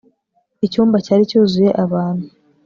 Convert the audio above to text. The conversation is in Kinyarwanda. icyumba cyari cyuzuye abantu